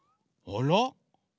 あら？